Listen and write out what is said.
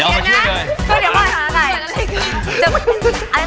เอามาช่วยเหมือนว่าเอามาช่วยเหมือนว่ะ